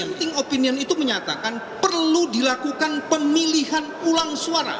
penting opinion itu menyatakan perlu dilakukan pemilihan ulang suara